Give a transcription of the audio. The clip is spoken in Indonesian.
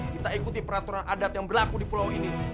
kita ikuti peraturan adat yang berlaku di pulau ini